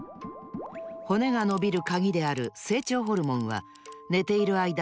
骨がのびるカギである成長ホルモンは寝ているあいだ